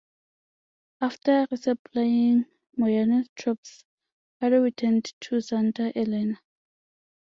After resupplying Moyano's troops, Pardo returned to Santa Elena.